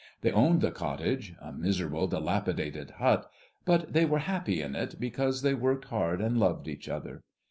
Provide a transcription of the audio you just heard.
They owned the cottage, a miserable, dilapidated hut; but they were happy in it because they worked hard and loved each other.